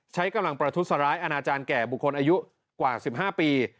ใช้กำลังประทุษร้ายอนาจารย์แก่บุคคลอายุกว่า๑๕ปี